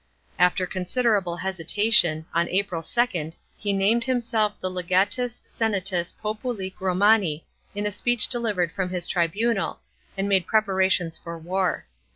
Afier considerable hesitation, on April 2nd he named himself the legatus senatus populique Romani in a spei ch delivered from his tribunal, and made preparations for war.